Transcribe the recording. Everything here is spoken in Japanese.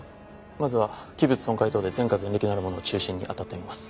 まずは器物損壊等で前科前歴のある者を中心にあたってみます。